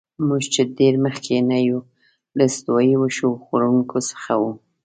موږ چې ډېر مخکې نه یو، له استوایي وښو خوړونکو څخه وو.